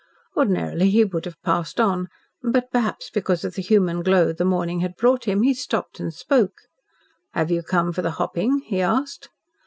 Ordinarily he would have passed on, but, perhaps because of the human glow the morning had brought him, he stopped and spoke. "Have you come for the hopping?" he asked.